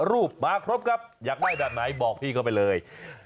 รูปมาครบครับอยากได้แบบไหนบอกพี่เขาไปเลย